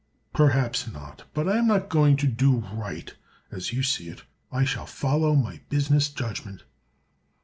"Perhaps not; but I'm not going to do right—as you see it. I shall follow my business judgment."